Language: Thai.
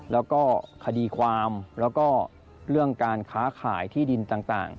แล้วก็คดีความแล้วก็เรื่องการค้าขายที่ดินต่าง